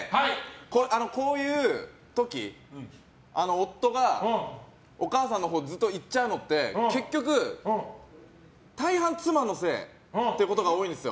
こういう時夫がお母さんのほうずっと行っちゃうのって結局、大半妻のせいということが多いんです。